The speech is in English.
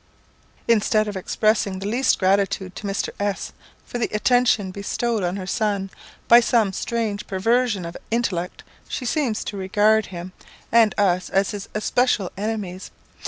"Instead of expressing the least gratitude to Mr. S for the attention bestowed on her son, by some strange perversion of intellect she seems to regard him and us as his especial enemies.